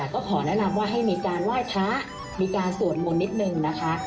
ก็ขอแนะนำว่าให้มีการไหว้พระมีการสวดมนต์นิดนึงนะคะ